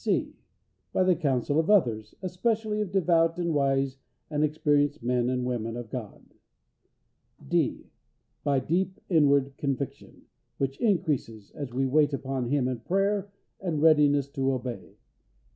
(c) By the counsel of others, especially of devout, and wise, and experienced men and women of God. (d) By deep inward conviction, which increases as we wait upon Him in prayer and readiness to obey.